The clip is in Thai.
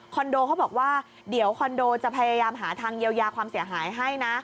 โดเขาบอกว่าเดี๋ยวคอนโดจะพยายามหาทางเยียวยาความเสียหายให้นะ